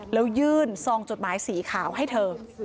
แล้วยื่นซองจดหมายสีขาวให้เธอ